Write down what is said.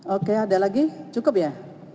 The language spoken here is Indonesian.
oke ada lagi cukup ya